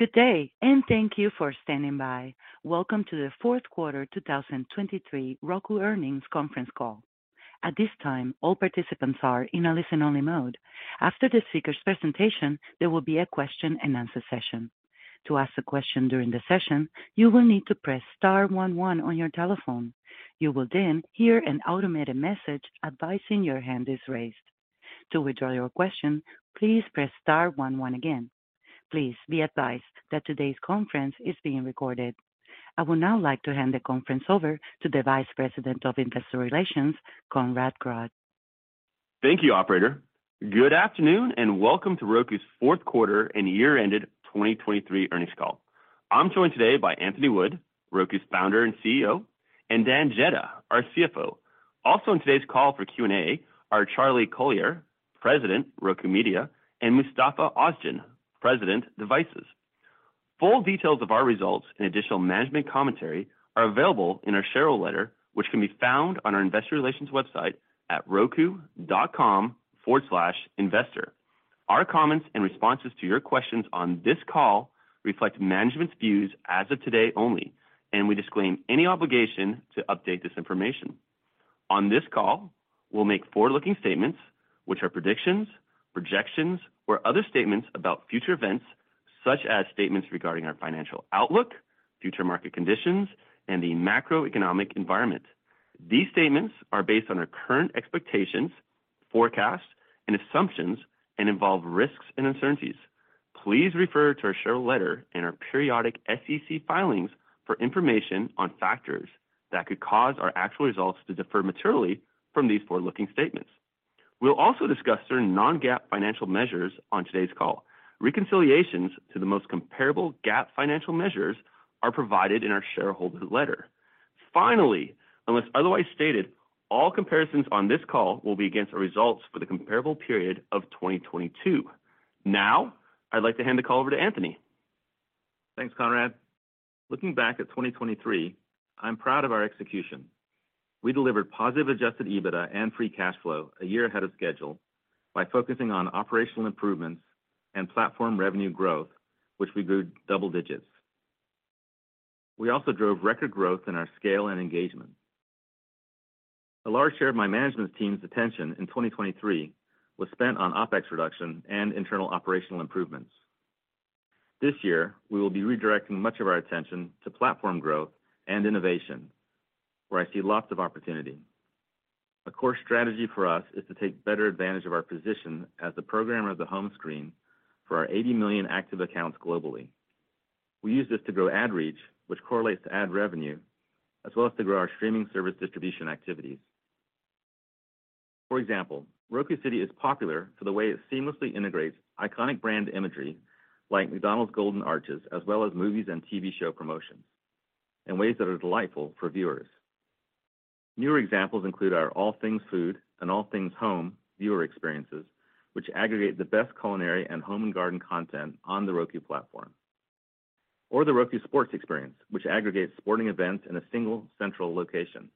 Good day and thank you for standing by. Welcome to the fourth quarter 2023 Roku earnings conference call. At this time, all participants are in a listen-only mode. After the speaker's presentation, there will be a question-and-answer session. To ask a question during the session, you will need to press star one one on your telephone. You will then hear an automated message advising your hand is raised. To withdraw your question, please press star one one again. Please be advised that today's conference is being recorded. I would now like to hand the conference over to the Vice President of Investor Relations, Conrad Grodd. Thank you, operator. Good afternoon and welcome to Roku's fourth quarter and year-ended 2023 earnings call. I'm joined today by Anthony Wood, Roku's founder and CEO, and Dan Jedda, our CFO. Also in today's call for Q&A are Charlie Collier, President, Roku Media, and Mustafa Ozgen, President, Devices. Full details of our results and additional management commentary are available in our shareholder letter, which can be found on our investor relations website at roku.com/investor. Our comments and responses to your questions on this call reflect management's views as of today only, and we disclaim any obligation to update this information. On this call, we'll make forward-looking statements, which are predictions, projections, or other statements about future events, such as statements regarding our financial outlook, future market conditions, and the macroeconomic environment. These statements are based on our current expectations, forecasts, and assumptions, and involve risks and uncertainties. Please refer to our shareholder letter and our periodic SEC filings for information on factors that could cause our actual results to differ materially from these forward-looking statements. We'll also discuss certain non-GAAP financial measures on today's call. Reconciliations to the most comparable GAAP financial measures are provided in our shareholder letter. Finally, unless otherwise stated, all comparisons on this call will be against our results for the comparable period of 2022. Now, I'd like to hand the call over to Anthony. Thanks, Conrad. Looking back at 2023, I'm proud of our execution. We delivered positive adjusted EBITDA and free cash flow a year ahead of schedule by focusing on operational improvements and platform revenue growth, which we grew double digits. We also drove record growth in our scale and engagement. A large share of my management team's attention in 2023 was spent on OpEx reduction and internal operational improvements. This year, we will be redirecting much of our attention to platform growth and innovation, where I see lots of opportunity. A core strategy for us is to take better advantage of our position as the programmer of the home screen for our 80 million active accounts globally. We use this to grow ad reach, which correlates to ad revenue, as well as to grow our streaming service distribution activities. For example, Roku City is popular for the way it seamlessly integrates iconic brand imagery like McDonald's Golden Arches, as well as movies and TV show promotions, in ways that are delightful for viewers. Newer examples include our All Things Food and All Things Home viewer experiences, which aggregate the best culinary and home and garden content on the Roku platform, or the Roku Sports experience, which aggregates sporting events in a single central location.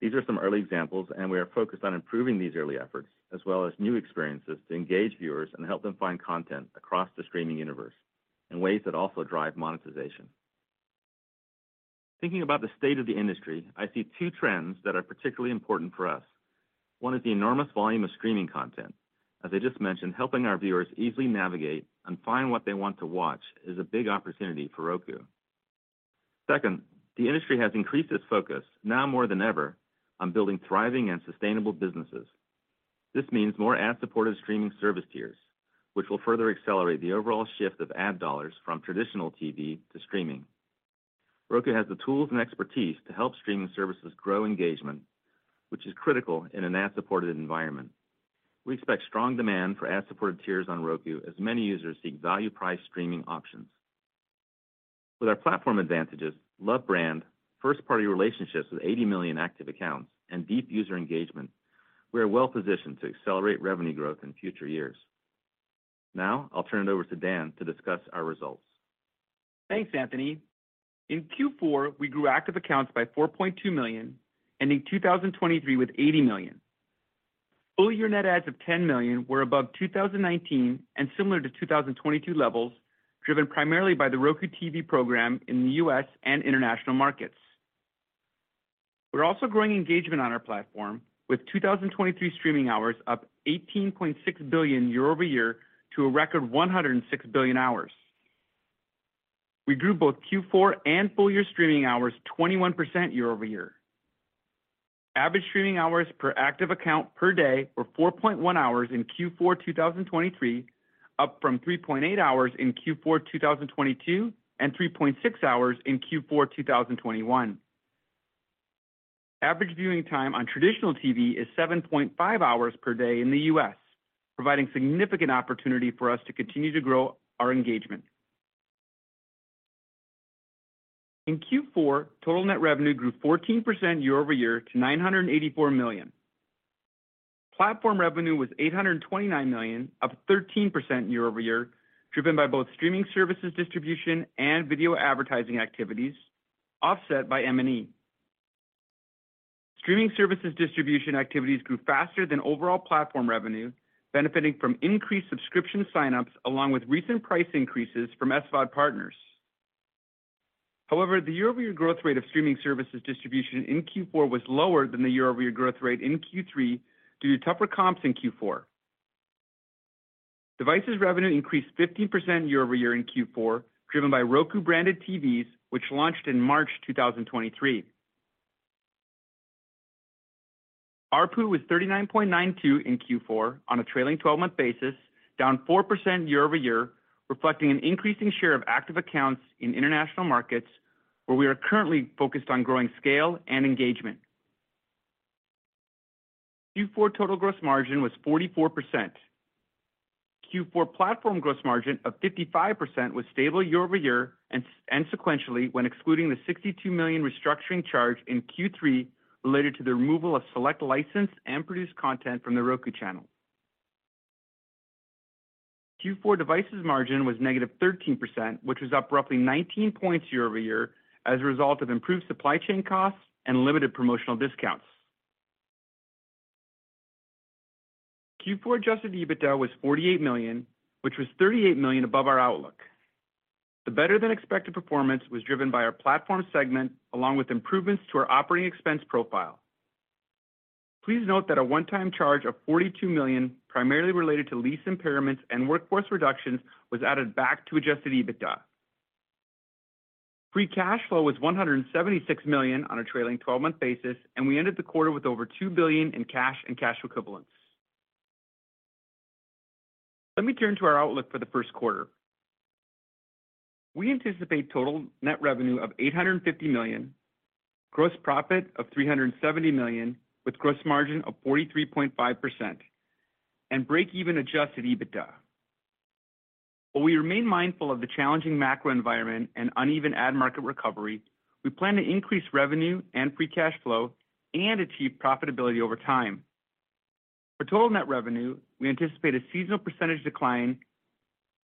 These are some early examples, and we are focused on improving these early efforts, as well as new experiences to engage viewers and help them find content across the streaming universe in ways that also drive monetization. Thinking about the state of the industry, I see two trends that are particularly important for us. One is the enormous volume of streaming content. As I just mentioned, helping our viewers easily navigate and find what they want to watch is a big opportunity for Roku. Second, the industry has increased its focus now more than ever on building thriving and sustainable businesses. This means more ad-supported streaming service tiers, which will further accelerate the overall shift of ad dollars from traditional TV to streaming. Roku has the tools and expertise to help streaming services grow engagement, which is critical in an ad-supported environment. We expect strong demand for ad-supported tiers on Roku as many users seek value-priced streaming options. With our platform advantages, beloved brand, first-party relationships with 80 million active accounts, and deep user engagement, we are well-positioned to accelerate revenue growth in future years. Now, I'll turn it over to Dan to discuss our results. Thanks, Anthony. In Q4, we grew active accounts by 4.2 million, ending 2023 with 80 million. Full-year net adds of 10 million were above 2019 and similar to 2022 levels, driven primarily by the Roku TV program in the U.S. and international markets. We're also growing engagement on our platform, with 2023 streaming hours up 18.6 billion year-over-year to a record 106 billion hours. We grew both Q4 and full-year streaming hours 21% year-over-year. Average streaming hours per active account per day were 4.1 hours in Q4 2023, up from 3.8 hours in Q4 2022 and 3.6 hours in Q4 2021. Average viewing time on traditional TV is 7.5 hours per day in the U.S., providing significant opportunity for us to continue to grow our engagement. In Q4, total net revenue grew 14% year-over-year to $984 million. Platform revenue was $829 million, up 13% year-over-year, driven by both streaming services distribution and video advertising activities, offset by M&E. Streaming services distribution activities grew faster than overall platform revenue, benefiting from increased subscription signups along with recent price increases from SVOD partners. However, the year-over-year growth rate of streaming services distribution in Q4 was lower than the year-over-year growth rate in Q3 due to tougher comps in Q4. Devices revenue increased 15% year-over-year in Q4, driven by Roku branded TVs, which launched in March 2023. ARPU was $39.92 in Q4 on a trailing 12-month basis, down 4% year-over-year, reflecting an increasing share of active accounts in international markets, where we are currently focused on growing scale and engagement. Q4 total gross margin was 44%. Q4 platform gross margin of 55% was stable year-over-year and sequentially when excluding the $62 million restructuring charge in Q3 related to the removal of select licensed and produced content from the Roku Channel. Q4 devices margin was -13%, which was up roughly 19 points year-over-year as a result of improved supply chain costs and limited promotional discounts. Q4 adjusted EBITDA was $48 million, which was $38 million above our outlook. The better-than-expected performance was driven by our platform segment along with improvements to our operating expense profile. Please note that a one-time charge of $42 million, primarily related to lease impairments and workforce reductions, was added back to adjusted EBITDA. Free cash flow was $176 million on a trailing 12-month basis, and we ended the quarter with over $2 billion in cash and cash equivalents. Let me turn to our outlook for the first quarter. We anticipate total net revenue of $850 million, gross profit of $370 million with gross margin of 43.5%, and break-even adjusted EBITDA. While we remain mindful of the challenging macro environment and uneven ad market recovery, we plan to increase revenue and free cash flow and achieve profitability over time. For total net revenue, we anticipate a seasonal percentage decline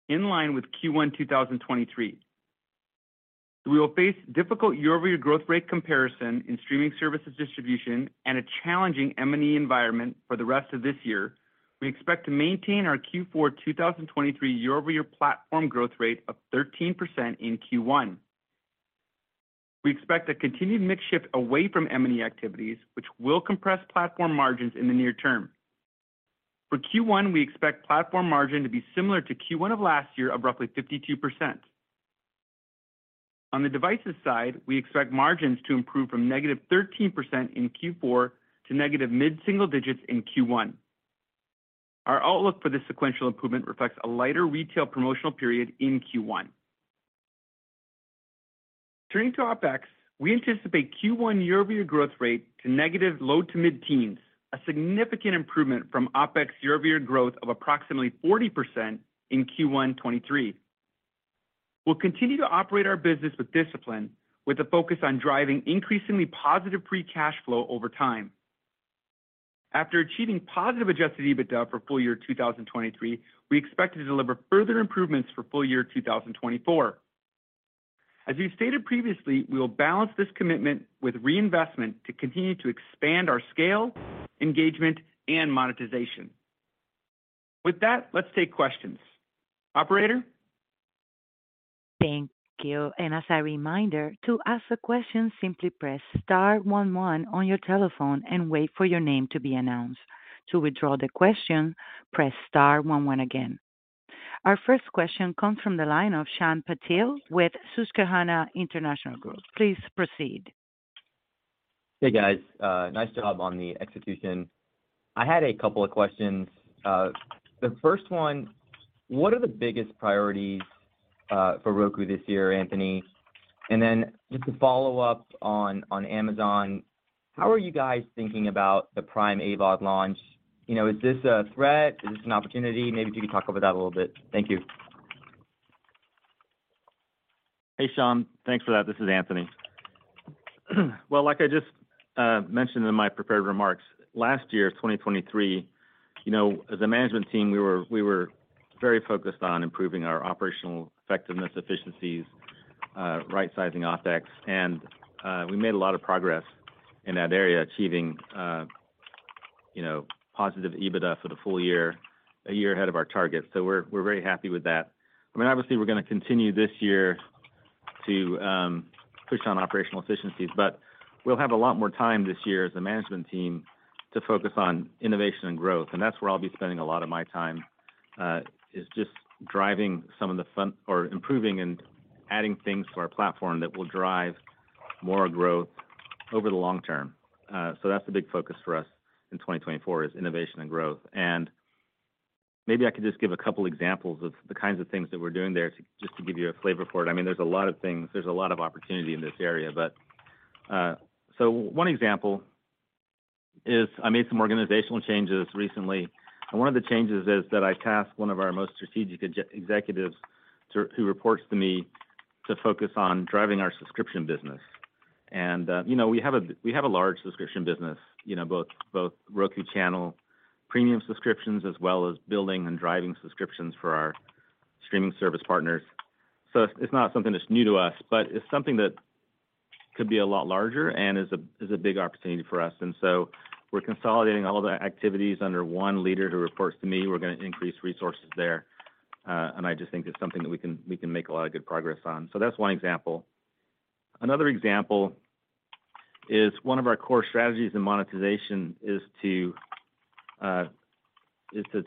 in line with Q1 2023. We will face difficult year-over-year growth rate comparison in streaming services distribution and a challenging M&E environment for the rest of this year. We expect to maintain our Q4 2023 year-over-year platform growth rate of 13% in Q1. We expect a continued mix shift away from M&E activities, which will compress platform margins in the near term. For Q1, we expect platform margin to be similar to Q1 of last year of roughly 52%. On the devices side, we expect margins to improve from -13% in Q4 to negative mid-single digits in Q1. Our outlook for this sequential improvement reflects a lighter retail promotional period in Q1. Turning to OpEx, we anticipate Q1 year-over-year growth rate to negative low to mid-teens, a significant improvement from OpEx year-over-year growth of approximately 40% in Q1 2023. We'll continue to operate our business with discipline, with a focus on driving increasingly positive free cash flow over time. After achieving positive adjusted EBITDA for full year 2023, we expect to deliver further improvements for full year 2024. As we've stated previously, we will balance this commitment with reinvestment to continue to expand our scale, engagement, and monetization. With that, let's take questions. Operator? Thank you. As a reminder, to ask a question, simply press star one one on your telephone and wait for your name to be announced. To withdraw the question, press star one one again. Our first question comes from the line of Shyam Patil with Susquehanna International Group. Please proceed. Hey, guys. Nice job on the execution. I had a couple of questions. The first one, what are the biggest priorities for Roku this year, Anthony? And then just to follow up on Amazon, how are you guys thinking about the Prime AVOD launch? Is this a threat? Is this an opportunity? Maybe if you could talk about that a little bit. Thank you. Hey, Shyam. Thanks for that. This is Anthony. Well, like I just mentioned in my prepared remarks, last year, 2023, as a management team, we were very focused on improving our operational effectiveness, efficiencies, right-sizing OpEx, and we made a lot of progress in that area, achieving positive EBITDA for the full year, a year ahead of our target. So we're very happy with that. I mean, obviously, we're going to continue this year to push on operational efficiencies, but we'll have a lot more time this year as a management team to focus on innovation and growth. And that's where I'll be spending a lot of my time, is just driving some of the fun or improving and adding things to our platform that will drive more growth over the long term. So that's the big focus for us in 2024, is innovation and growth. Maybe I could just give a couple of examples of the kinds of things that we're doing there just to give you a flavor for it. I mean, there's a lot of things. There's a lot of opportunity in this area. One example is I made some organizational changes recently. One of the changes is that I tasked one of our most strategic executives who reports to me to focus on driving our subscription business. We have a large subscription business, both Roku Channel premium subscriptions as well as building and driving subscriptions for our streaming service partners. So it's not something that's new to us, but it's something that could be a lot larger and is a big opportunity for us. We're consolidating all the activities under one leader who reports to me. We're going to increase resources there. I just think it's something that we can make a lot of good progress on. That's one example. Another example is one of our core strategies in monetization is to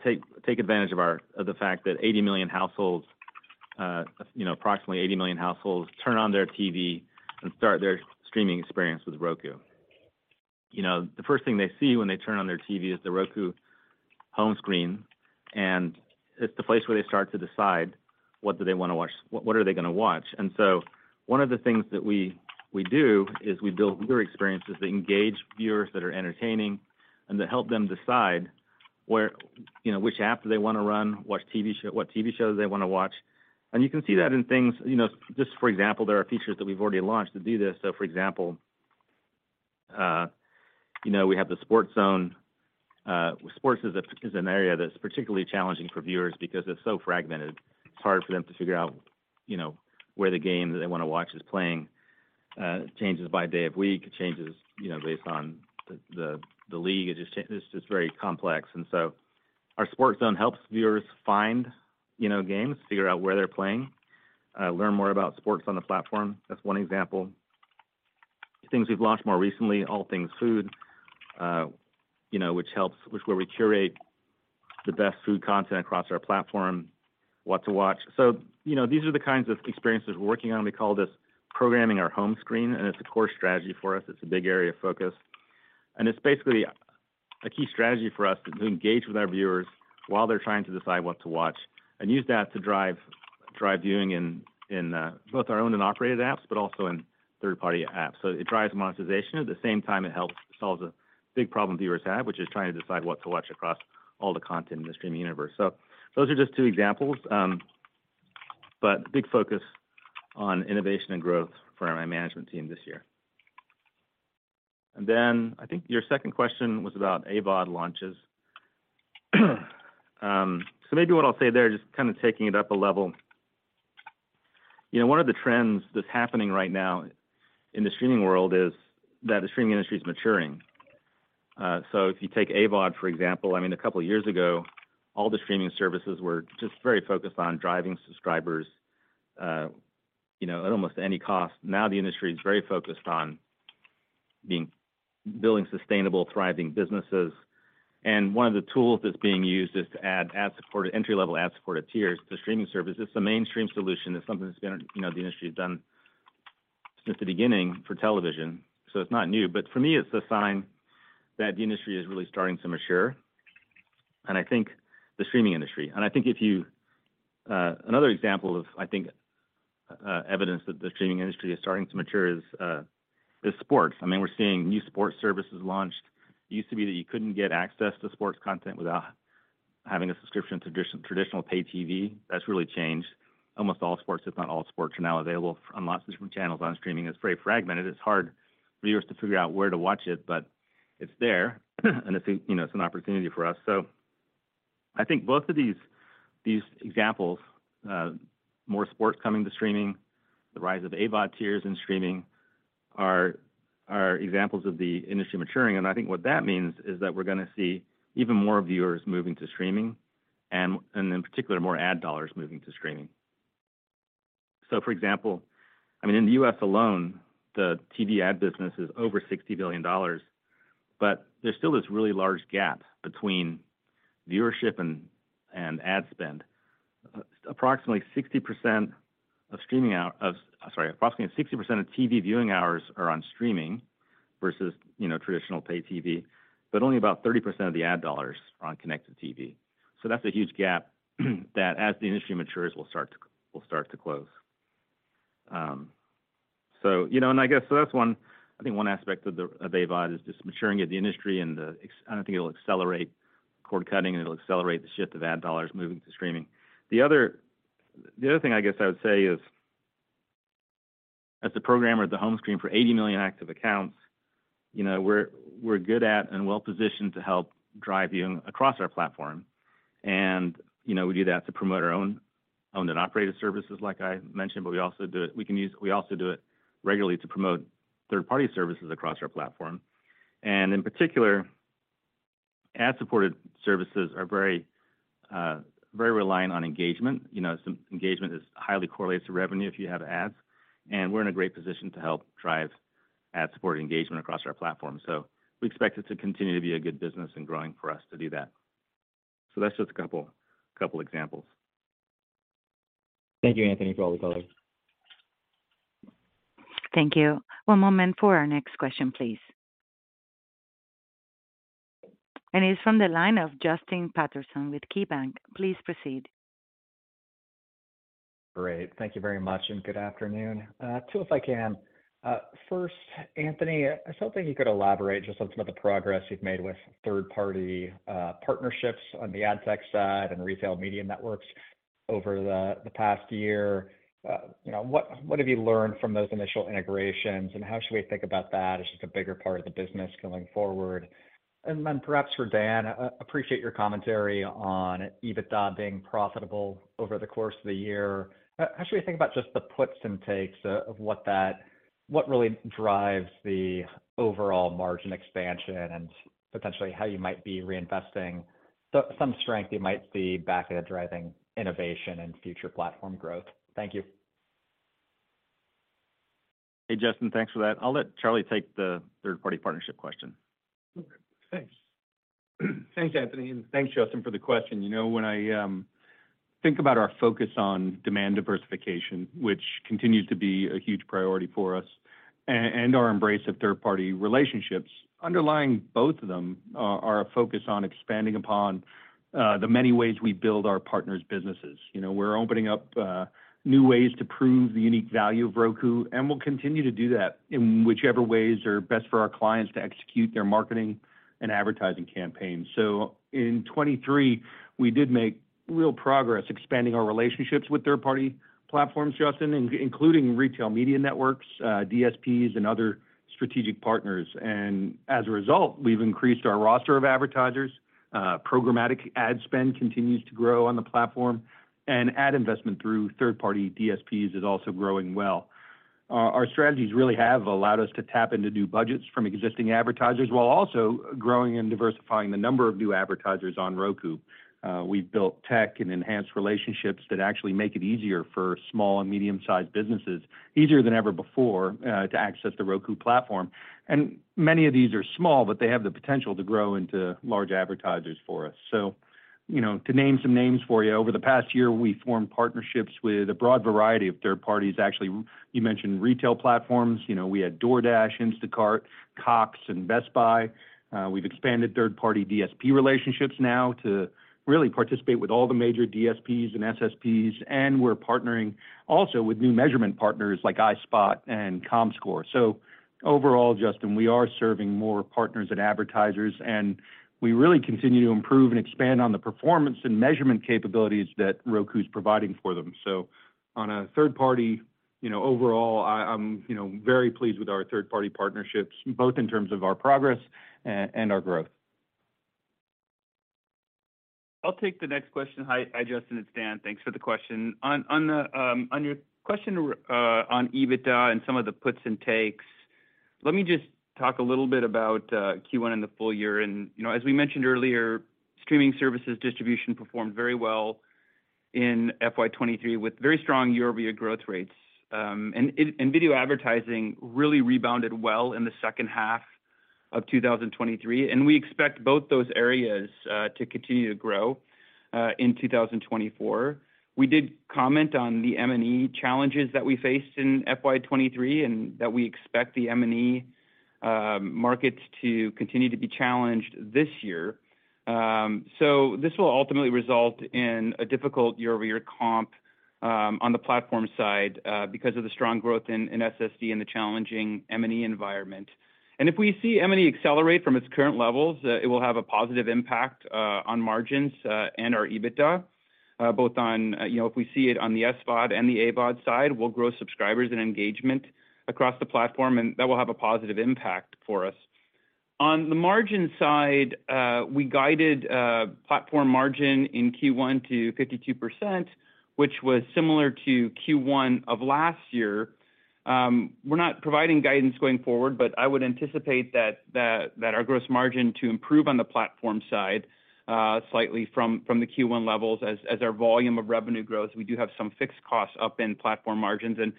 take advantage of the fact that 80 million households, approximately 80 million households, turn on their TV and start their streaming experience with Roku. The first thing they see when they turn on their TV is the Roku home screen. It's the place where they start to decide what do they want to watch? What are they going to watch? One of the things that we do is we build viewer experiences that engage viewers that are entertaining and that help them decide which app do they want to run, watch TV show, what TV shows they want to watch. You can see that in things. Just for example, there are features that we've already launched to do this. So for example, we have the Sports Zone. Sports is an area that's particularly challenging for viewers because it's so fragmented. It's hard for them to figure out where the game that they want to watch is playing. Changes by day of week, changes based on the league. It's just very complex. And so our Sports Zone helps viewers find games, figure out where they're playing, learn more about sports on the platform. That's one example. Things we've launched more recently, All Things Food, which helps, where we curate the best food content across our platform, what to watch. These are the kinds of experiences we're working on. We call this programming our home screen, and it's a core strategy for us. It's a big area of focus. It's basically a key strategy for us to engage with our viewers while they're trying to decide what to watch and use that to drive viewing in both our owned and operated apps, but also in third-party apps. So it drives monetization. At the same time, it helps solve a big problem viewers have, which is trying to decide what to watch across all the content in the streaming universe. Those are just two examples, but big focus on innovation and growth for my management team this year. And then I think your second question was about AVOD launches. So maybe what I'll say there, just kind of taking it up a level, one of the trends that's happening right now in the streaming world is that the streaming industry is maturing. If you take AVOD, for example, I mean, a couple of years ago, all the streaming services were just very focused on driving subscribers at almost any cost. Now the industry is very focused on building sustainable, thriving businesses. One of the tools that's being used is to add entry-level ad-supported tiers to streaming services. The mainstream solution is something that's been the industry has done since the beginning for television. So it's not new. But for me, it's a sign that the industry is really starting to mature. I think the streaming industry. And I think if you another example of, I think, evidence that the streaming industry is starting to mature is sports. I mean, we're seeing new sports services launched. It used to be that you couldn't get access to sports content without having a subscription to traditional pay TV. That's really changed. Almost all sports, if not all sports, are now available on lots of different channels on streaming. It's very fragmented. It's hard for viewers to figure out where to watch it, but it's there. And it's an opportunity for us. I think both of these examples, more sports coming to streaming, the rise of AVOD tiers in streaming, are examples of the industry maturing. And I think what that means is that we're going to see even more viewers moving to streaming and, in particular, more ad dollars moving to streaming. So for example, I mean, in the U.S. alone, the TV ad business is over $60 billion. But there's still this really large gap between viewership and ad spend. Approximately 60% of streaming hours. I'm sorry, approximately 60% of TV viewing hours are on streaming versus traditional pay TV, but only about 30% of the ad dollars are on connected TV. That's a huge gap that, as the industry matures, will start to close. I guess that's one aspect I think of AVOD is just maturing of the industry. And I don't think it'll accelerate cord cutting, and it'll accelerate the shift of ad dollars moving to streaming. The other thing, I guess, I would say is, as the programmer at the home screen for 80 million active accounts, we're good at and well-positioned to help drive viewing across our platform. And we do that to promote our own owned and operated services, like I mentioned. We also do it regularly to promote third-party services across our platform. And in particular, ad-supported services are very reliant on engagement. Engagement highly correlates to revenue if you have ads. We're in a great position to help drive ad-supported engagement across our platform. So we expect it to continue to be a good business and growing for us to do that. So that's just a couple of examples. Thank you, Anthony, for all the color. Thank you. One moment for our next question, please. It is from the line of Justin Patterson with KeyBanc. Please proceed. Great. Thank you very much, and good afternoon. Two, if I can. First, Anthony, I was hoping you could elaborate just on some of the progress you've made with third-party partnerships on the ad tech side and retail media networks over the past year. What have you learned from those initial integrations, and how should we think about that as just a bigger part of the business going forward? And then perhaps for Dan, I appreciate your commentary on EBITDA being profitable over the course of the year. How should we think about just the puts and takes of what really drives the overall margin expansion and potentially how you might be reinvesting some strength you might see back in driving innovation and future platform growth? Thank you. Hey, Justin. Thanks for that. I'll let Charlie take the third-party partnership question. Thanks. Thanks, Anthony, and thanks, Justin, for the question. When I think about our focus on demand diversification, which continues to be a huge priority for us, and our embrace of third-party relationships, underlying both of them are a focus on expanding upon the many ways we build our partners' businesses. We're opening up new ways to prove the unique value of Roku, and we'll continue to do that in whichever ways are best for our clients to execute their marketing and advertising campaigns. So in 2023, we did make real progress expanding our relationships with third-party platforms, Justin, including retail media networks, DSPs, and other strategic partners. As a result, we've increased our roster of advertisers. Programmatic ad spend continues to grow on the platform, and ad investment through third-party DSPs is also growing well. Our strategies really have allowed us to tap into new budgets from existing advertisers while also growing and diversifying the number of new advertisers on Roku. We've built tech and enhanced relationships that actually make it easier for small and medium-sized businesses, easier than ever before, to access the Roku platform. Many of these are small, but they have the potential to grow into large advertisers for us. So to name some names for you, over the past year, we formed partnerships with a broad variety of third parties. Actually, you mentioned retail platforms. We had DoorDash, Instacart, Cox, and Best Buy. We've expanded third-party DSP relationships now to really participate with all the major DSPs and SSPs. And we're partnering also with new measurement partners like iSpot and Comscore. Overall, Justin, we are serving more partners and advertisers, and we really continue to improve and expand on the performance and measurement capabilities that Roku is providing for them. So on a third-party overall, I'm very pleased with our third-party partnerships, both in terms of our progress and our growth. I'll take the next question. Hi, Justin. It's Dan. Thanks for the question. On your question on EBITDA and some of the puts and takes, let me just talk a little bit about Q1 in the full year. As we mentioned earlier, streaming services distribution performed very well in FY 2023 with very strong year-over-year growth rates. Video advertising really rebounded well in the second half of 2023. We expect both those areas to continue to grow in 2024. We did comment on the M&E challenges that we faced in FY 2023 and that we expect the M&E markets to continue to be challenged this year. This will ultimately result in a difficult year-over-year comp on the platform side because of the strong growth in SSD and the challenging M&E environment. If we see M&E accelerate from its current levels, it will have a positive impact on margins and our EBITDA. Both on if we see it on the SVOD and the AVOD side, we'll grow subscribers and engagement across the platform, and that will have a positive impact for us. On the margin side, we guided platform margin in Q1 to 52%, which was similar to Q1 of last year. We're not providing guidance going forward, but I would anticipate that our gross margin to improve on the platform side slightly from the Q1 levels as our volume of revenue grows. We do have some fixed costs up in platform margins, and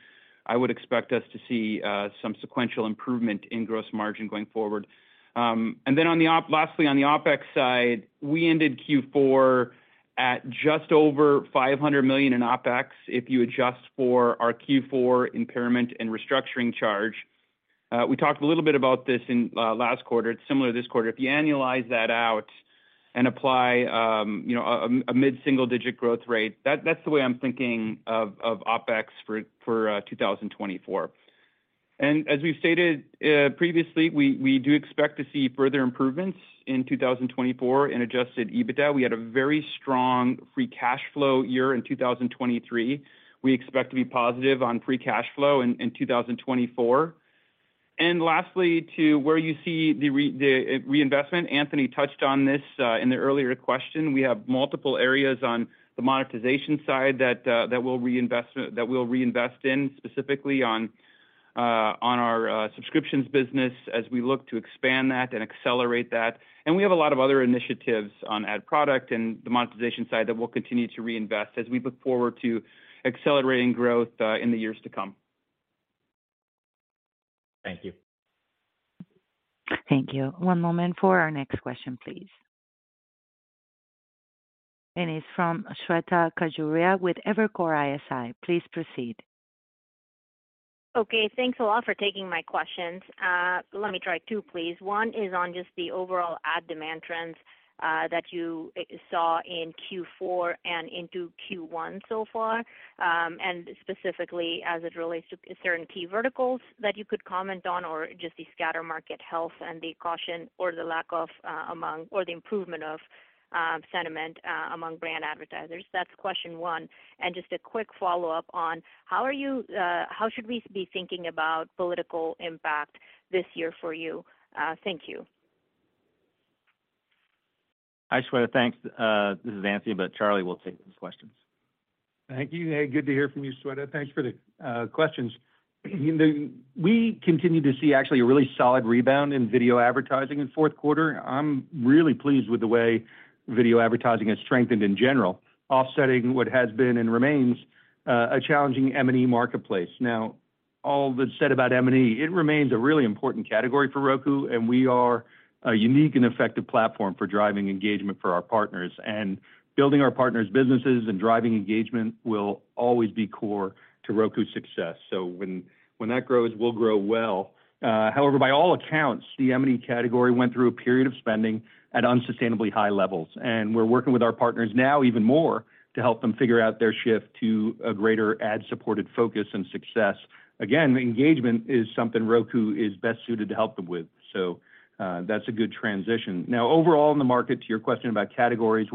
I would expect us to see some sequential improvement in gross margin going forward. Then lastly, on the OpEx side, we ended Q4 at just over $500 million in OpEx if you adjust for our Q4 impairment and restructuring charge. We talked a little bit about this in last quarter. It's similar this quarter. If you annualize that out and apply a mid-single-digit growth rate, that's the way I'm thinking of OpEx for 2024. As we've stated previously, we do expect to see further improvements in 2024 in adjusted EBITDA. We had a very strong free cash flow year in 2023. We expect to be positive on free cash flow in 2024. Lastly, to where you see the reinvestment, Anthony touched on this in the earlier question. We have multiple areas on the monetization side that we'll reinvest in, specifically on our subscriptions business as we look to expand that and accelerate that. We have a lot of other initiatives on ad product and the monetization side that we'll continue to reinvest as we look forward to accelerating growth in the years to come. Thank you. Thank you. One moment for our next question, please. It's from Shweta Khajuria with Evercore ISI. Please proceed. Okay. Thanks a lot for taking my questions. Let me try two, please. One is on just the overall ad demand trends that you saw in Q4 and into Q1 so far, and specifically as it relates to certain key verticals that you could comment on or just the scatter market health and the caution or the lack of or the improvement of sentiment among brand advertisers. That's question one. Just a quick follow-up on how should we be thinking about political impact this year for you? Thank you. Hi, Shweta. Thanks. This is Anthony, but Charlie will take those questions. Thank you. Hey, good to hear from you, Shweta. Thanks for the questions. We continue to see, actually, a really solid rebound in video advertising in fourth quarter. I'm really pleased with the way video advertising has strengthened in general, offsetting what has been and remains a challenging M&E marketplace. Now, all that's said about M&E, it remains a really important category for Roku, and we are a unique and effective platform for driving engagement for our partners. Building our partners' businesses and driving engagement will always be core to Roku's success. When that grows, we'll grow well. However, by all accounts, the M&E category went through a period of spending at unsustainably high levels. We're working with our partners now even more to help them figure out their shift to a greater ad-supported focus and success. Again, engagement is something Roku is best suited to help them with. So that's a good transition. Now, overall in the market, to your question about categories,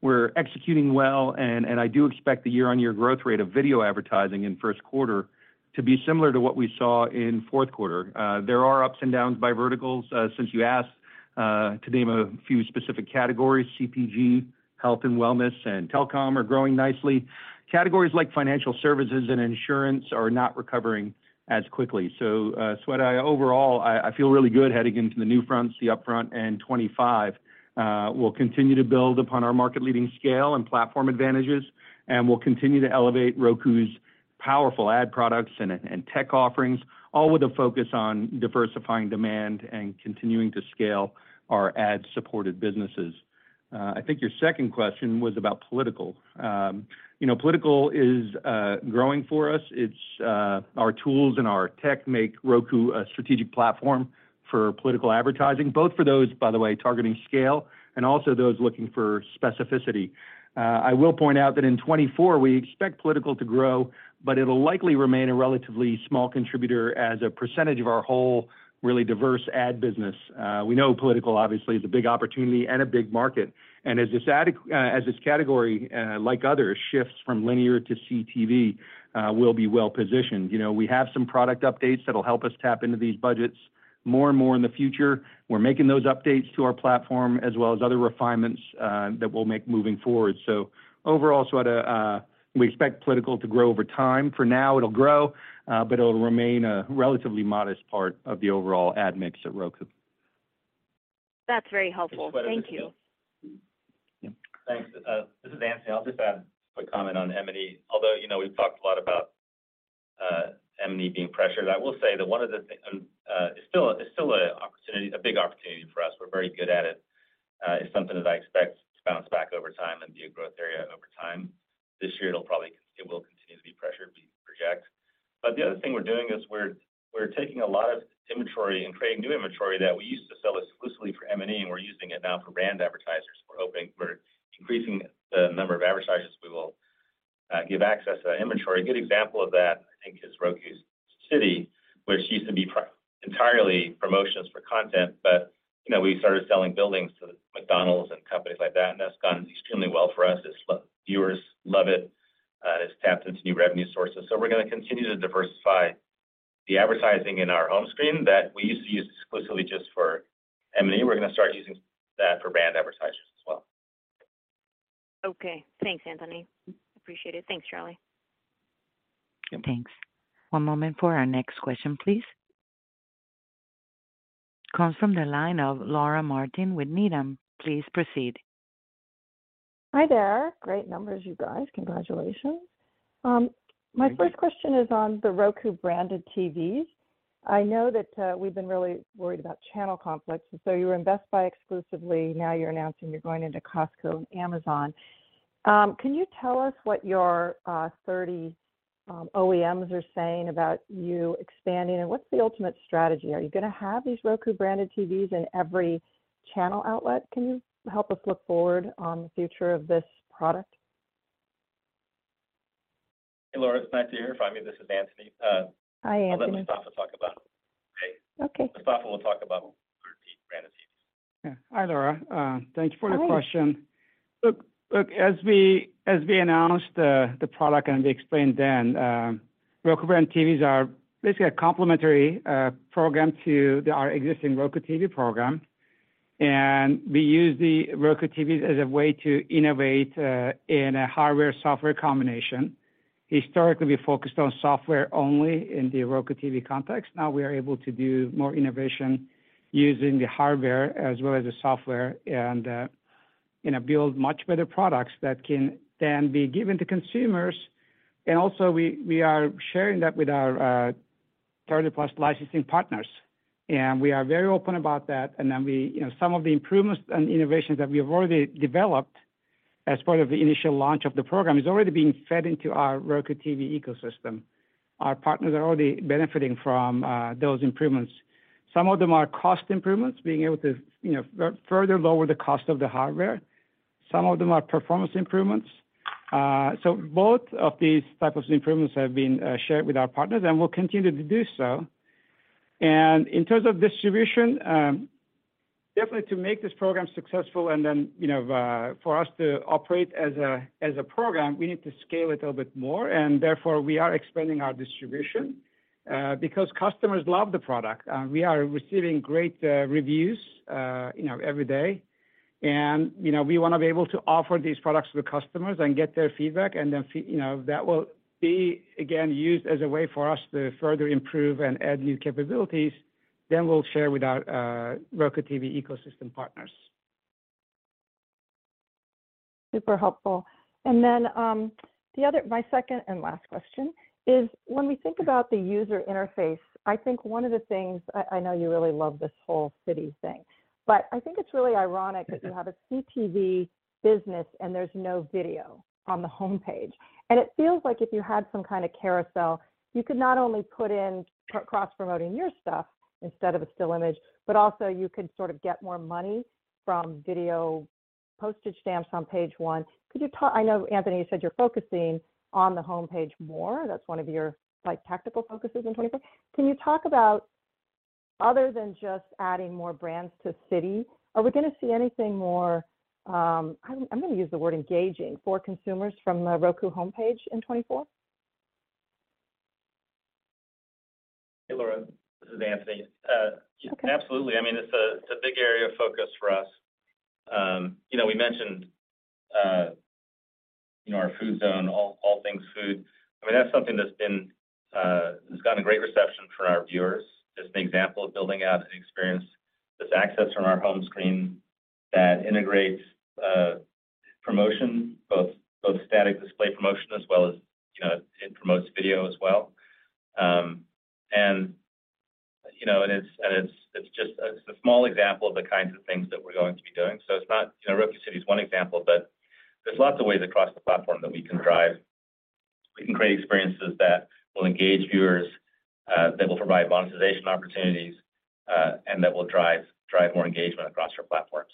we're executing well, and I do expect the year-on-year growth rate of video advertising in first quarter to be similar to what we saw in fourth quarter. There are ups and downs by verticals. Since you asked to name a few specific categories, CPG, health and wellness, and telecom are growing nicely. Categories like financial services and insurance are not recovering as quickly. So Shweta, overall, I feel really good heading into the new upfronts, the upfront, and 2025. We'll continue to build upon our market-leading scale and platform advantages, and we'll continue to elevate Roku's powerful ad products and tech offerings, all with a focus on diversifying demand and continuing to scale our ad-supported businesses. I think your second question was about political. Political is growing for us. Our tools and our tech make Roku a strategic platform for political advertising, both for those, by the way, targeting scale and also those looking for specificity. I will point out that in 2024, we expect political to grow, but it'll likely remain a relatively small contributor as a percentage of our whole really diverse ad business. We know political, obviously, is a big opportunity and a big market. As this category, like others, shifts from linear to CTV, we'll be well-positioned. We have some product updates that'll help us tap into these budgets more and more in the future. We're making those updates to our platform as well as other refinements that we'll make moving forward. So overall, Shweta, we expect political to grow over time. For now, it'll grow, but it'll remain a relatively modest part of the overall ad mix at Roku. That's very helpful. Thank you. Thanks. This is Anthony. I'll just add a quick comment on M&E. Although we've talked a lot about M&E being pressured, I will say that one of the things it's still a big opportunity for us. We're very good at it. It's something that I expect to bounce back over time and be a growth area over time. This year, it'll probably continue to be pressured, we project. But the other thing we're doing is we're taking a lot of inventory and creating new inventory that we used to sell exclusively for M&E, and we're using it now for brand advertisers. We're increasing the number of advertisers we will give access to that inventory. A good example of that, I think, is Roku City, which used to be entirely promotions for content, but we started selling buildings to McDonald's and companies like that. That's gone extremely well for us. Viewers love it. It's tapped into new revenue sources. We're going to continue to diversify the advertising in our home screen that we used to use exclusively just for M&E. We're going to start using that for brand advertisers as well. Okay. Thanks, Anthony. Appreciate it. Thanks, Charlie. Thanks. One moment for our next question, please. Comes from the line of Laura Martin with Needham. Please proceed. Hi there. Great numbers, you guys. Congratulations. My first question is on the Roku branded TVs. I know that we've been really worried about channel conflicts. So you were invested by exclusively. Now you're announcing you're going into Costco and Amazon. Can you tell us what your 30 OEMs are saying about you expanding, and what's the ultimate strategy? Are you going to have these Roku branded TVs in every channel outlet? Can you help us look forward on the future of this product? Hey, Laura. It's nice to hear from you. This is Anthony. Hi, Anthony. I'll let Mustafa talk about it. Okay. Mustafa will talk about our branded TVs. Hi, Laura. Thank you for the question. Look, as we announced the product and we explained then, Roku branded TVs are basically a complementary program to our existing Roku TV program. We use the Roku TVs as a way to innovate in a hardware-software combination. Historically, we focused on software only in the Roku TV context. Now we are able to do more innovation using the hardware as well as the software and build much better products that can then be given to consumers. Also, we are sharing that with our 30+ licensing partners. We are very open about that. Then some of the improvements and innovations that we have already developed as part of the initial launch of the program is already being fed into our Roku TV ecosystem. Our partners are already benefiting from those improvements. Some of them are cost improvements, being able to further lower the cost of the hardware. Some of them are performance improvements. Both of these types of improvements have been shared with our partners, and we'll continue to do so. In terms of distribution, definitely to make this program successful and then for us to operate as a program, we need to scale it a little bit more. Therefore, we are expanding our distribution because customers love the product. We are receiving great reviews every day. We want to be able to offer these products to the customers and get their feedback. Then that will be, again, used as a way for us to further improve and add new capabilities. We'll share with our Roku TV ecosystem partners. Super helpful. Then my second and last question is, when we think about the user interface, I think one of the things I know you really love this whole City thing, but I think it's really ironic that you have a CTV business and there's no video on the homepage. And it feels like if you had some kind of carousel, you could not only put in cross-promoting your stuff instead of a still image, but also you could sort of get more money from video postage stamps on page one. I know, Anthony, you said you're focusing on the homepage more. That's one of your tactical focuses in 2024. Can you talk about, other than just adding more brands to City, are we going to see anything more? I'm going to use the word engaging for consumers from the Roku homepage in 2024? Hey, Laura. This is Anthony. Absolutely. I mean, it's a big area of focus for us. We mentioned our food zone, All Things Food. I mean, that's something that's gotten a great reception from our viewers. Just an example of building out an experience that's accessed from our home screen that integrates promotion, both static display promotion as well as it promotes video as well. And it's just a small example of the kinds of things that we're going to be doing. So it's not Roku City is one example, but there's lots of ways across the platform that we can drive we can create experiences that will engage viewers, that will provide monetization opportunities, and that will drive more engagement across our platform.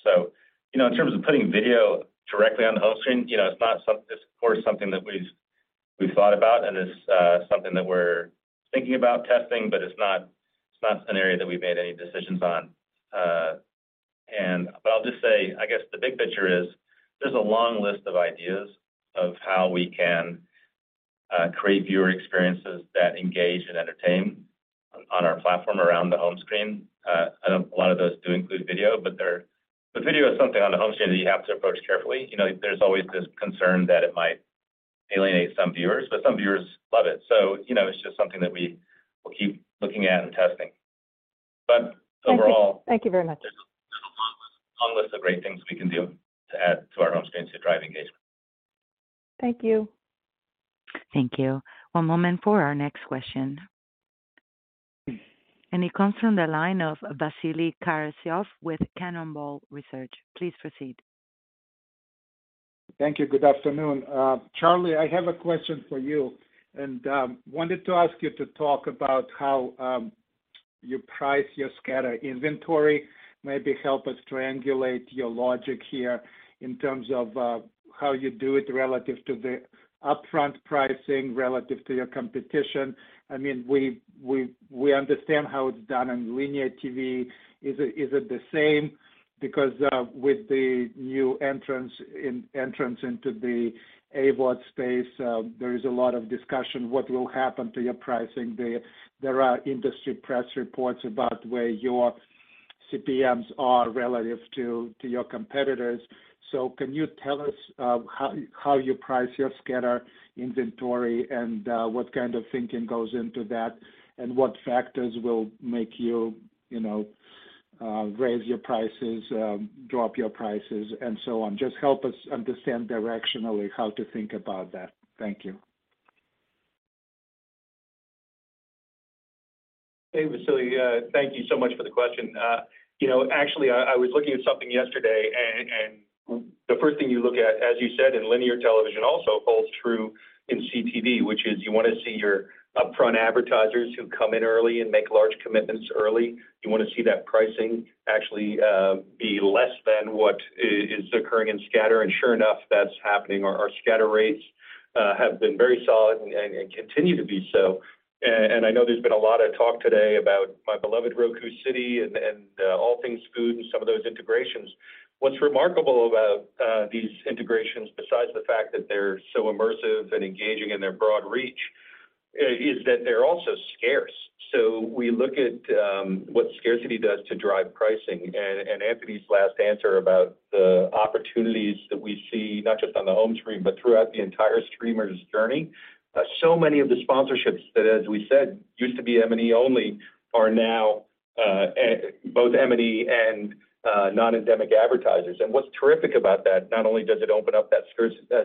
In terms of putting video directly on the home screen, it's not, of course, something that we've thought about, and it's something that we're thinking about testing, but it's not an area that we've made any decisions on. But I'll just say, I guess, the big picture is there's a long list of ideas of how we can create viewer experiences that engage and entertain on our platform around the home screen. I know a lot of those do include video, but video is something on the home screen that you have to approach carefully. There's always this concern that it might alienate some viewers, but some viewers love it. So it's just something that we'll keep looking at and testing. But overall. Thank you very much. There's a long list of great things we can do to add to our home screens to drive engagement. Thank you. Thank you. One moment for our next question. It comes from the line of Vasily Karasyov with Cannonball Research. Please proceed. Thank you. Good afternoon. Charlie, I have a question for you and wanted to ask you to talk about how you price your scatter inventory. Maybe help us triangulate your logic here in terms of how you do it relative to the upfront pricing relative to your competition. I mean, we understand how it's done on linear TV. Is it the same? Because with the new entrance into the AVOD space, there is a lot of discussion what will happen to your pricing. There are industry press reports about where your CPMs are relative to your competitors. So can you tell us how you price your scatter inventory and what kind of thinking goes into that and what factors will make you raise your prices, drop your prices, and so on? Just help us understand directionally how to think about that. Thank you. Hey, Vasily. Thank you so much for the question. Actually, I was looking at something yesterday. The first thing you look at, as you said, in linear television also holds true in CTV, which is you want to see your upfront advertisers who come in early and make large commitments early. You want to see that pricing actually be less than what is occurring in scatter. Sure enough, that's happening. Our scatter rates have been very solid and continue to be so. I know there's been a lot of talk today about my beloved Roku City and All Things Food and some of those integrations. What's remarkable about these integrations, besides the fact that they're so immersive and engaging in their broad reach, is that they're also scarce. We look at what scarcity does to drive pricing. Anthony's last answer about the opportunities that we see not just on the home screen, but throughout the entire streamer's journey, so many of the sponsorships that, as we said, used to be M&E only are now both M&E and non-endemic advertisers. What's terrific about that, not only does it open up that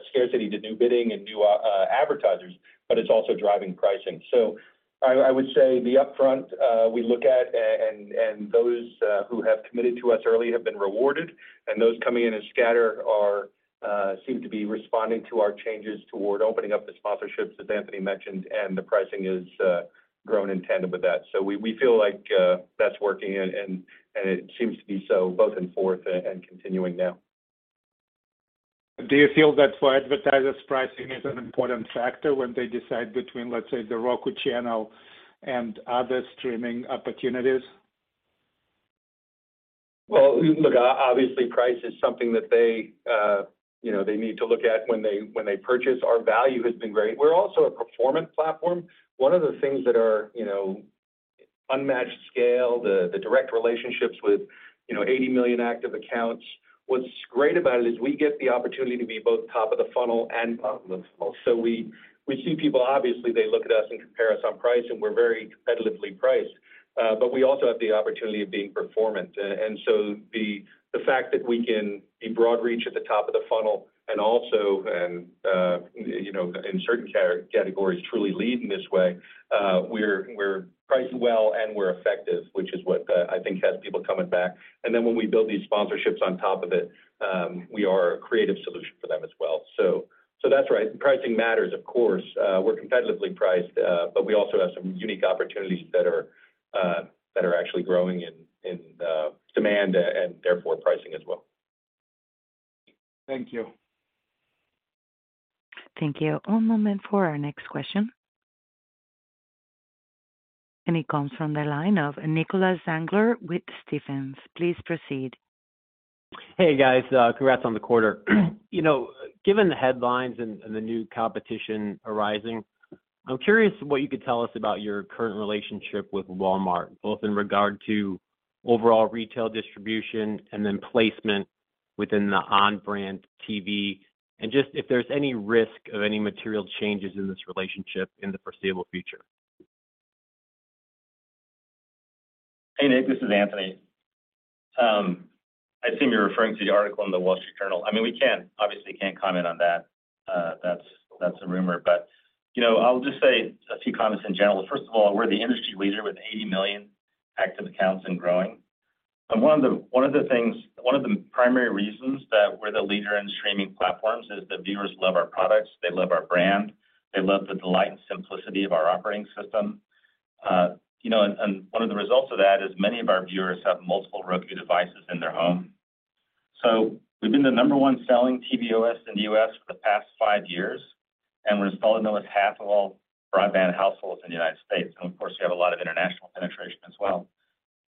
scarcity to new bidding and new advertisers, but it's also driving pricing. I would say the upfront we look at, and those who have committed to us early have been rewarded. Those coming in as scatter seem to be responding to our changes toward opening up the sponsorships, as Anthony mentioned, and the pricing has grown in tandem with that. We feel like that's working, and it seems to be so both in fourth and continuing now. Do you feel that for advertisers, pricing is an important factor when they decide between, let's say, the Roku Channel and other streaming opportunities? Well, look, obviously, price is something that they need to look at when they purchase. Our value has been great. We're also a performance platform. One of the things that are unmatched scale, the direct relationships with 80 million active accounts. What's great about it is we get the opportunity to be both top of the funnel and bottom of the funnel. So we see people, obviously, they look at us and compare us on price, and we're very competitively priced. But we also have the opportunity of being performant. The fact that we can be broad reach at the top of the funnel and also, in certain categories, truly lead in this way, we're priced well and we're effective, which is what I think has people coming back. Then when we build these sponsorships on top of it, we are a creative solution for them as well. That's right. Pricing matters, of course. We're competitively priced, but we also have some unique opportunities that are actually growing in demand and therefore pricing as well. Thank you. Thank you. One moment for our next question. It comes from the line of Nicholas Zangler with Stephens. Please proceed. Hey, guys. Congrats on the quarter. Given the headlines and the new competition arising, I'm curious what you could tell us about your current relationship with Walmart, both in regard to overall retail distribution and then placement within the Onn brand TV and just if there's any risk of any material changes in this relationship in the foreseeable future? Hey, Nick. This is Anthony. I assume you're referring to the article in the Wall Street Journal. I mean, we obviously can't comment on that. That's a rumor. But I'll just say a few comments in general. First of all, we're the industry leader with 80 million active accounts and growing. One of the things one of the primary reasons that we're the leader in streaming platforms is that viewers love our products. They love our brand. They love the delight and simplicity of our operating system. One of the results of that is many of our viewers have multiple Roku devices in their home. We've been the number one selling TV OS in the U.S. for the past five years, and we're installed in almost half of all broadband households in the United States. And of course, we have a lot of international penetration as well.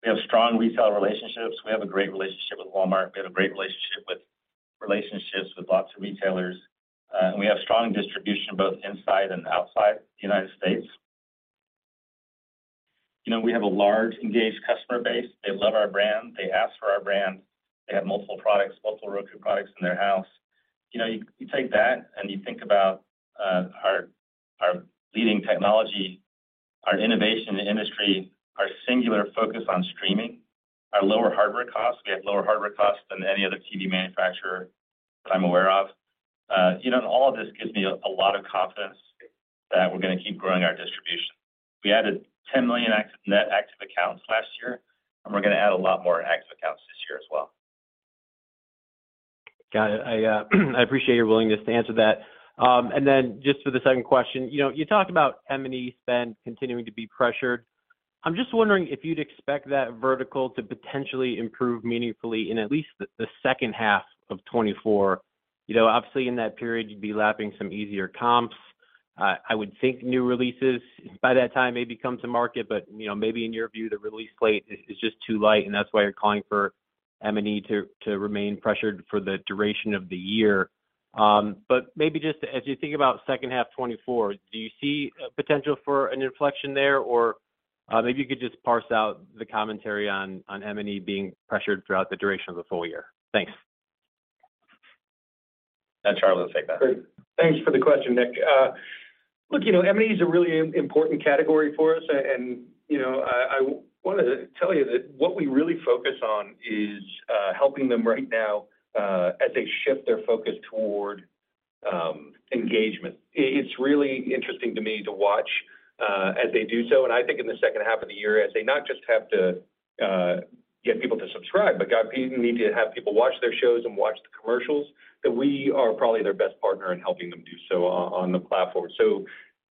We have strong resale relationships. We have a great relationship with Walmart. We have a great relationship with relationships with lots of retailers. We have strong distribution both inside and outside the United States. We have a large engaged customer base. They love our brand. They ask for our brand. They have multiple products, multiple Roku products in their house. You take that and you think about our leading technology, our innovation in the industry, our singular focus on streaming, our lower hardware costs. We have lower hardware costs than any other TV manufacturer that I'm aware of. All of this gives me a lot of confidence that we're going to keep growing our distribution. We added 10 million net active accounts last year, and we're going to add a lot more active accounts this year as well. Got it. I appreciate your willingness to answer that. And then just for the second question, you talked about M&E spend continuing to be pressured. I'm just wondering if you'd expect that vertical to potentially improve meaningfully in at least the second half of 2024. Obviously, in that period, you'd be lapping some easier comps. I would think new releases by that time maybe come to market, but maybe in your view, the release slate is just too light, and that's why you're calling for M&E to remain pressured for the duration of the year. But maybe just as you think about second half 2024, do you see potential for an inflection there, or maybe you could just parse out the commentary on M&E being pressured throughout the duration of the full year? Thanks. Yeah, Charlie will take that. Great. Thanks for the question, Nick. Look, M&E is a really important category for us. I want to tell you that what we really focus on is helping them right now as they shift their focus toward engagement. It's really interesting to me to watch as they do so. I think in the second half of the year, as they not just have to get people to subscribe, but God, people need to have people watch their shows and watch the commercials, that we are probably their best partner in helping them do so on the platform.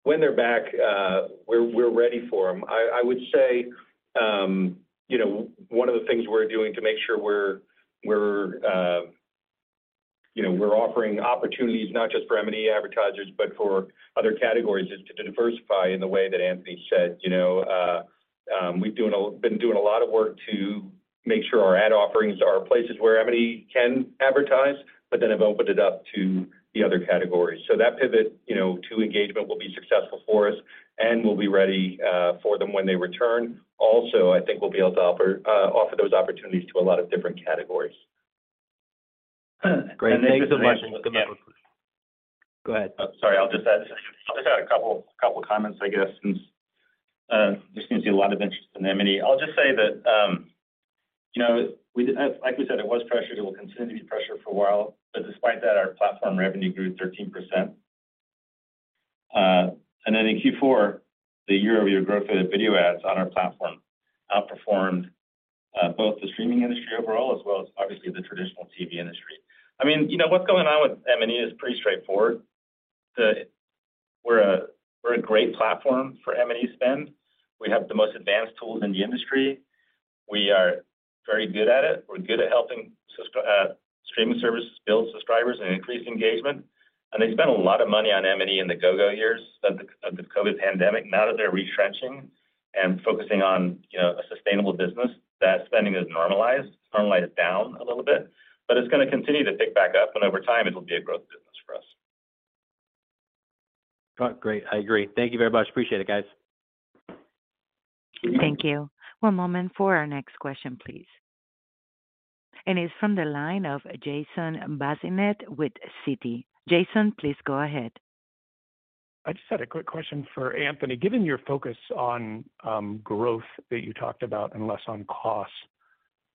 When they're back, we're ready for them. I would say one of the things we're doing to make sure we're offering opportunities not just for M&E advertisers, but for other categories is to diversify in the way that Anthony said. We've been doing a lot of work to make sure our ad offerings are places where M&E can advertise, but then have opened it up to the other categories. So that pivot to engagement will be successful for us and will be ready for them when they return. Also, I think we'll be able to offer those opportunities to a lot of different categories. Great. Thank you so much. Go ahead. Sorry. I'll just add a couple of comments, I guess, since there seems to be a lot of interest in M&E. I'll just say that, like we said, it was pressured. It will continue to be pressured for a while. But despite that, our platform revenue grew 13%. And then in Q4, the year-over-year growth of the video ads on our platform outperformed both the streaming industry overall as well as, obviously, the traditional TV industry. I mean, what's going on with M&E is pretty straightforward. We're a great platform for M&E spend. We have the most advanced tools in the industry. We are very good at it. We're good at helping streaming services build subscribers and increase engagement. And they spent a lot of money on M&E in the go-go years of the COVID pandemic. Now that they're retrenching and focusing on a sustainable business, that spending has normalized. It's normalized down a little bit, but it's going to continue to pick back up, and over time, it'll be a growth business for us. Great. I agree. Thank you very much. Appreciate it, guys. Thank you. One moment for our next question, please. It's from the line of Jason Bazinet with Citi. Jason, please go ahead. I just had a quick question for Anthony. Given your focus on growth that you talked about and less on cost,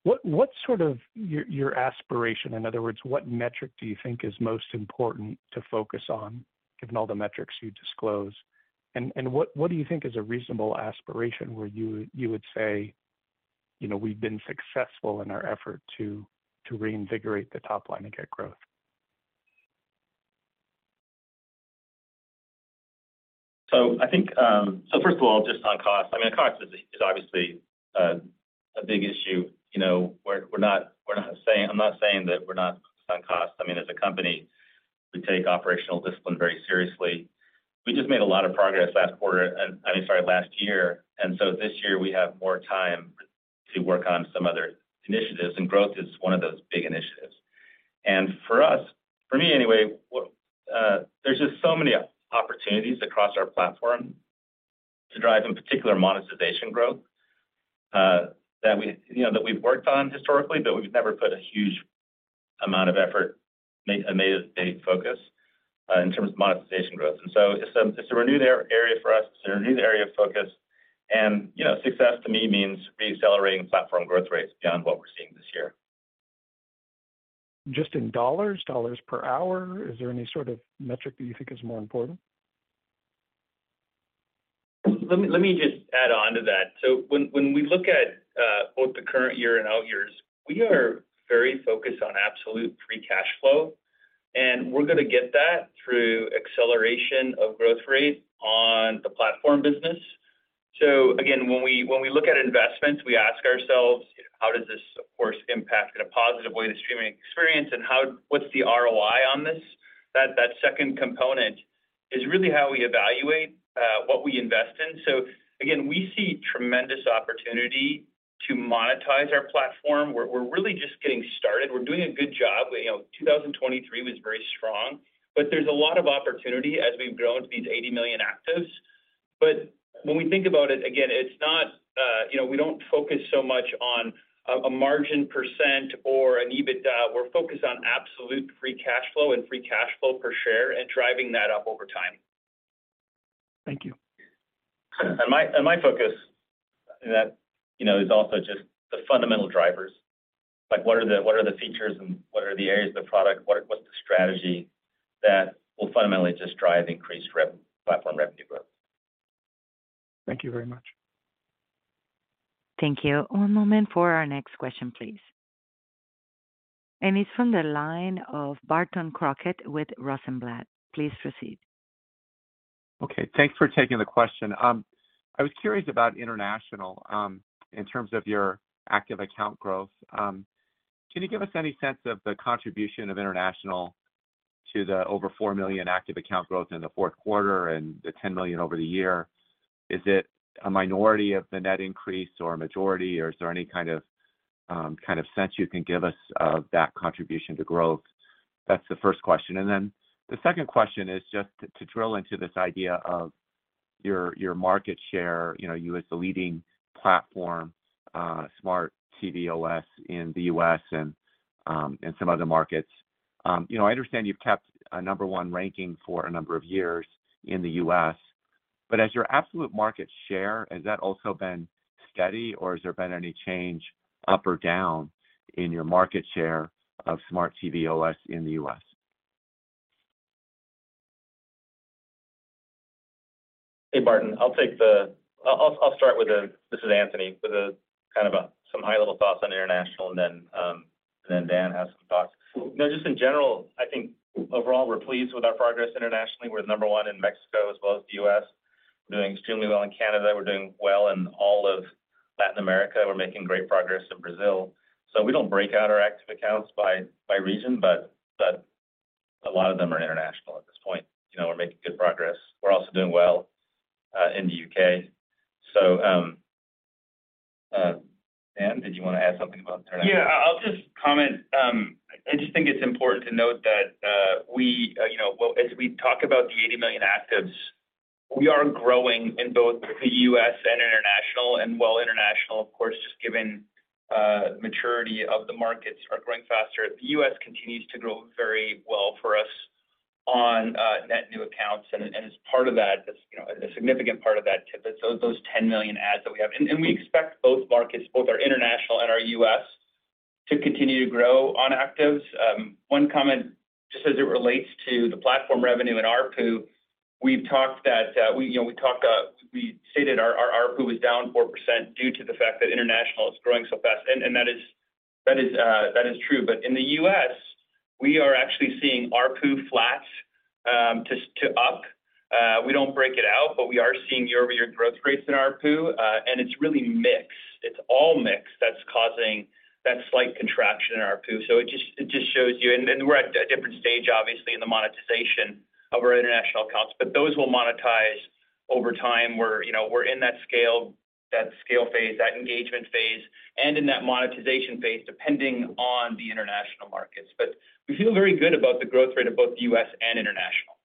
what sort of your aspiration, in other words, what metric do you think is most important to focus on given all the metrics you disclose? And what do you think is a reasonable aspiration where you would say, "We've been successful in our effort to reinvigorate the top line and get growth"? I think, so first of all, just on cost. I mean, cost is obviously a big issue. We're not saying. I'm not saying that we're not focused on cost. I mean, as a company, we take operational discipline very seriously. We just made a lot of progress last quarter and I mean, sorry, last year. And so this year, we have more time to work on some other initiatives, and growth is one of those big initiatives. For us, for me anyway, there's just so many opportunities across our platform to drive, in particular, monetization growth that we've worked on historically, but we've never put a huge amount of effort, a major focus in terms of monetization growth. And so it's a renewed area for us. It's a renewed area of focus. Success, to me, means reaccelerating platform growth rates beyond what we're seeing this year. Just in dollars, dollars per hour, is there any sort of metric that you think is more important? Let me just add on to that. When we look at both the current year and out years, we are very focused on absolute free cash flow. We're going to get that through acceleration of growth rate on the platform business. So again, when we look at investments, we ask ourselves, "How does this, of course, impact in a positive way the streaming experience, and what's the ROI on this?" That second component is really how we evaluate what we invest in. So again, we see tremendous opportunity to monetize our platform. We're really just getting started. We're doing a good job. 2023 was very strong, but there's a lot of opportunity as we've grown to these 80 million actives. But when we think about it, again, it's not we don't focus so much on a margin percent or an EBITDA. We're focused on absolute free cash flow and free cash flow per share and driving that up over time. Thank you. My focus in that is also just the fundamental drivers. What are the features, and what are the areas of the product? What's the strategy that will fundamentally just drive increased platform revenue growth. Thank you very much. Thank you. One moment for our next question, please. It's from the line of Barton Crockett with Rosenblatt. Please proceed. Okay. Thanks for taking the question. I was curious about international in terms of your active account growth. Can you give us any sense of the contribution of international to the over four million active account growth in the fourth quarter and the 10 million over the year? Is it a minority of the net increase or a majority, or is there any kind of sense you can give us of that contribution to growth? That's the first question. Then the second question is just to drill into this idea of your market share, you as the leading platform smart TV OS in the U.S. and some other markets. I understand you've kept a number one ranking for a number of years in the U.S. As your absolute market share, has that also been steady, or has there been any change up or down in your market share of smart TV OS in the U.S.? Hey, Barton. I'll start with – this is Anthony with kind of some high-level thoughts on international, and then Dan has some thoughts. Just in general, I think overall, we're pleased with our progress internationally. We're number one in Mexico as well as the U.S. We're doing extremely well in Canada. We're doing well in all of Latin America. We're making great progress in Brazil. We don't break out our active accounts by region, but a lot of them are international at this point. We're making good progress. We're also doing well in the U.K. So, Dan, did you want to add something about international? Yeah. I'll just comment. I just think it's important to note that as we talk about the 80 million actives, we are growing in both the U.S. and international. While international, of course, just given maturity of the markets are growing faster, the U.S. continues to grow very well for us on net new accounts. And as part of that, a significant part of that is those 10 million net adds that we have. And we expect both markets, both our international and our U.S., to continue to grow on actives. One comment, just as it relates to the platform revenue in ARPU, we've talked that we stated our ARPU was down 4% due to the fact that international is growing so fast. That is true. But in the U.S., we are actually seeing ARPU flat to up. We don't break it out, but we are seeing year-over-year growth rates in ARPU. And it's really the mix. It's all the mix that's causing that slight contraction in ARPU. It just shows you and we're at a different stage, obviously, in the monetization of our international accounts. But those will monetize over time. We're in that scale phase, that engagement phase, and in that monetization phase depending on the international markets. We feel very good about the growth rate of both the U.S. and international.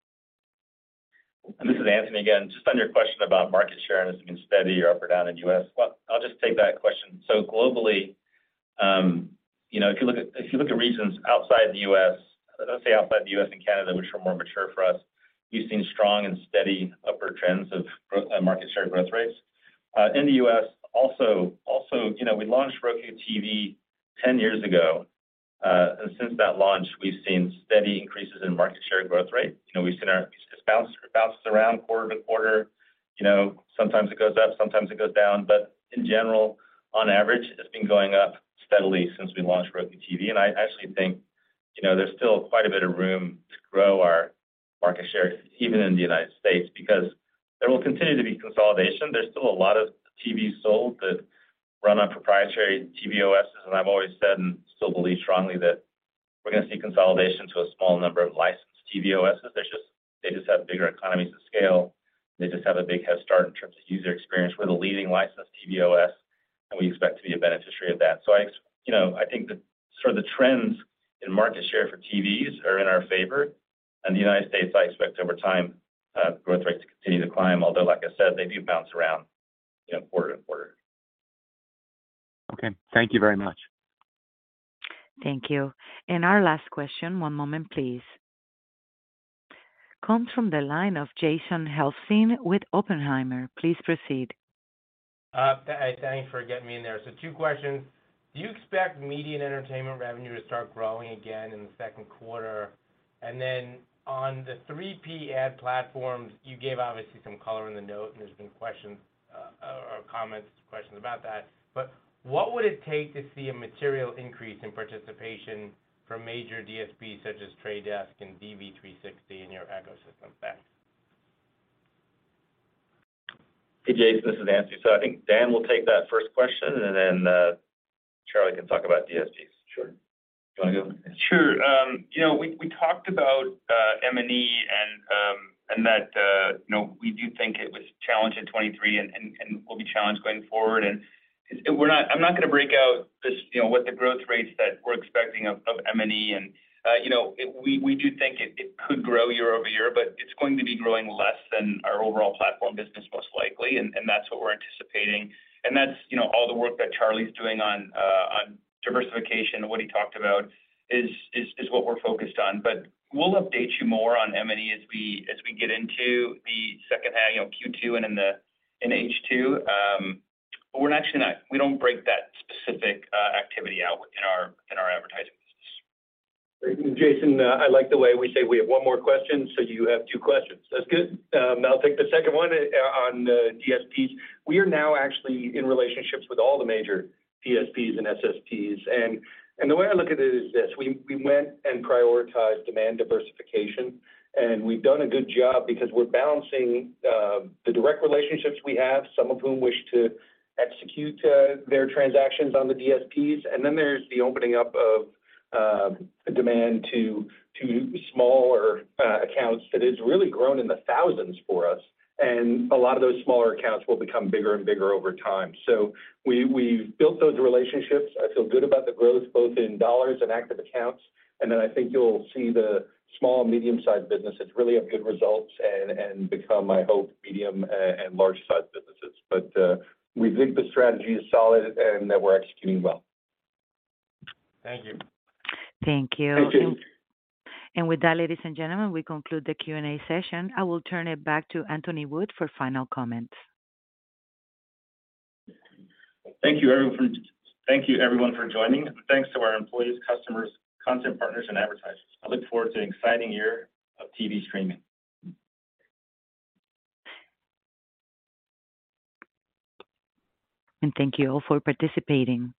This is Anthony again. Just on your question about market share and has it been steady or up or down in the U.S., well, I'll just take that question. So globally, if you look at regions outside the U.S., let's say outside the U.S. and Canada, which are more mature for us, you've seen strong and steady upper trends of market share growth rates. In the U.S., also, we launched Roku TV 10 years ago. And since that launch, we've seen steady increases in market share growth rate. We've seen it bounces around quarter-to-quarter. Sometimes it goes up. Sometimes it goes down. But in general, on average, it's been going up steadily since we launched Roku TV. I actually think there's still quite a bit of room to grow our market share, even in the United States, because there will continue to be consolidation. There's still a lot of TVs sold that run on proprietary TV OSs. I've always said and still believe strongly that we're going to see consolidation to a small number of licensed TV OSs. They just have bigger economies of scale. They just have a big head start in terms of user experience. We're the leading licensed TV OS, and we expect to be a beneficiary of that. I think that sort of the trends in market share for TVs are in our favor. In the United States, I expect over time, growth rates to continue to climb, although, like I said, they do bounce around quarter-to-quarter. Okay. Thank you very much. Thank you. And our last question. One moment, please. Comes from the line of Jason Helfstein with Oppenheimer. Please proceed. Thanks for getting me in there. So two questions. Do you expect media and entertainment revenue to start growing again in the second quarter? And then on the 3P ad platforms, you gave obviously some color in the note, and there's been questions or comments, questions about that. What would it take to see a material increase in participation from major DSPs such as Trade Desk and DV360 in your ecosystem? Thanks. Hey, Jason. This is Anthony. So I think Dan will take that first question, and then Charlie can talk about DSPs. Sure. You want to go? Sure. We talked about M&E and that we do think it was challenged in 2023 and will be challenged going forward. I'm not going to break out what the growth rates that we're expecting of M&E. We do think it could grow year-over-year, but it's going to be growing less than our overall platform business most likely. That's what we're anticipating. And that's all the work that Charlie's doing on diversification and what he talked about is what we're focused on. But we'll update you more on M&E as we get into the second half, Q2, and in H2. But we're actually not. We don't break that specific activity out in our advertising business. Jason, I like the way we say we have one more question. So you have two questions. That's good. I'll take the second one on DSPs. We are now actually in relationships with all the major DSPs and SSPs. And the way I look at it is this. We went and prioritized demand diversification. We've done a good job because we're balancing the direct relationships we have, some of whom wish to execute their transactions on the DSPs. Then there's the opening up of demand to smaller accounts that has really grown in the thousands for us. A lot of those smaller accounts will become bigger and bigger over time. So we've built those relationships. I feel good about the growth both in dollars and active accounts. Then I think you'll see the small and medium-sized businesses really have good results and become, I hope, medium and large-sized businesses. But we think the strategy is solid and that we're executing well. Thank you. Thank you. Thank you. With that, ladies and gentlemen, we conclude the Q&A session. I will turn it back to Anthony Wood for final comments. Thank you, everyone, for joining. Thanks to our employees, customers, content partners, and advertisers. I look forward to an exciting year of TV streaming. Thank you all for participating.